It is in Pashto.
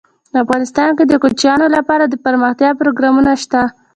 افغانستان کې د کوچیان لپاره دپرمختیا پروګرامونه شته.